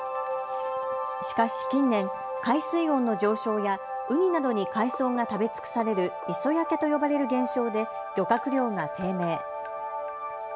しかし近年、海水温の上昇やウニなどに海藻が食べ尽くされる磯焼けと呼ばれる現象で漁獲量が低迷。